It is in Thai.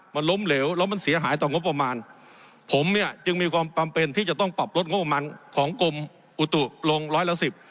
มันล้มเหลวแล้วมันเสียหายต่องบประมาณผมเนี่ยจึงมีความจำเป็นที่จะต้องปรับลดงบประมาณของกรมอุตุลงร้อยละสิบ